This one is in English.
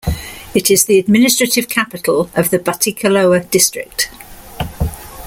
It is the administrative capital of the Batticaloa District.